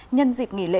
nhân dịp nghỉ lễ